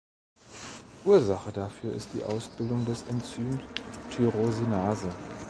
Ursache dafür ist die Ausbildung des Enzyms Tyrosinase.